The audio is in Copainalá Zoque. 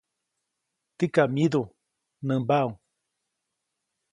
Tikam myidu, nämbaʼuŋ.